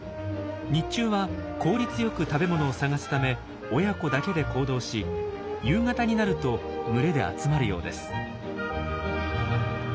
日中は効率よく食べ物を探すため親子だけで行動し夕方になると群れで集まるようです。